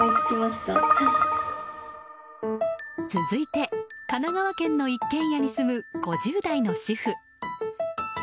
続いて、神奈川県の一軒家に住む５０代の主婦。